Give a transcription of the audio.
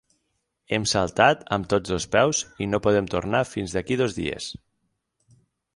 Hem saltat amb tots dos peus i no podem tornar fins d'aquí dos dies.